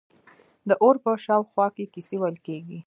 د اور په شاوخوا کې کیسې ویل کیږي.